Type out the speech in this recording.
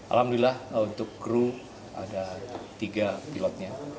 alhamdulillah untuk kru ada tiga pilotnya